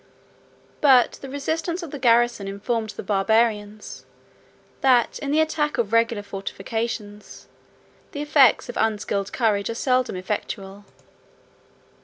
But the resistance of the garrison informed the Barbarians, that in the attack of regular fortifications, the efforts of unskillful courage are seldom effectual.